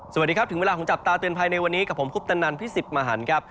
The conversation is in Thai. สวัสดีครับถึงเวลาของจับตาเตือนภัยในวันนี้กับผมคุปตนันพิสิทธิ์มหันครับ